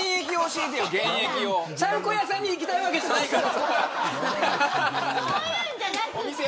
ちゃんこ屋さんに行きたいわけじゃないから。